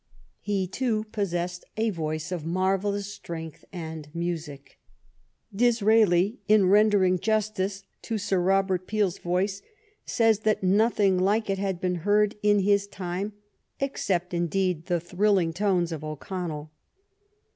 He, too, pos sessed a voice of marvellous strength and music. 38 THE STORY OF GLADSTONE'S LIFE Disraeli, in rendering justice to Sir Robert Peels voice, says that nothing like it had been heard in his time, "except, indeed, the thrilling tones of O'Connell."